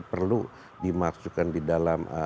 perlu dimasukkan di dalam